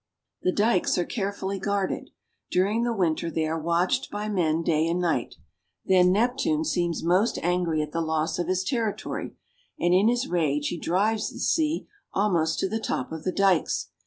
The dikes are carefully guarded. During the winter they are watched by men day and night. Then Neptune seems most angry at the loss of his territory, and in his rage he drives the sea almost to the top of the dikes.